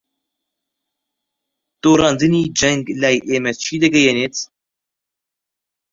دۆڕاندنی جەنگ لای ئێمە چی دەگەیەنێت؟